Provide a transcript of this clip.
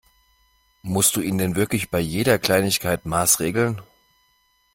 Musst du ihn denn wirklich bei jeder Kleinigkeit maßregeln?